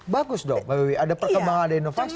bagus dong ada perkembangan ada inovasi